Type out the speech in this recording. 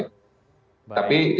tapi tidak ada niatan kami untuk menilai